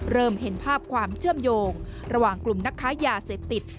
เริ่มเห็นภาพความเชื่อมโยงระหว่างกลุ่มนักค้ายาเสพติด